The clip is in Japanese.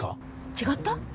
違った？